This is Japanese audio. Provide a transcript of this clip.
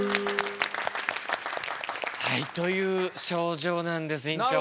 はいという症状なんです院長。